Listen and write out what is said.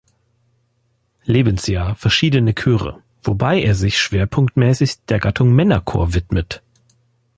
Lebensjahr verschiedene Chöre, wobei er sich schwerpunktmäßig der Gattung Männerchor widmet.